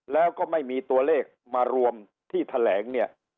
แล้วก็ไม่มีตัวเลขมารวมที่แถลงเนี่ย